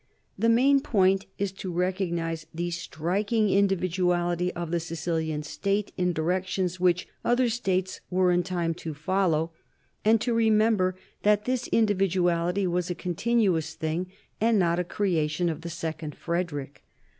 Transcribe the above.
The main point is to recognize the striking individuality of the Sicilian state in directions which other states were in time to follow, and to remember that this individuality was a continuous thing and not a creation of the second Frederick.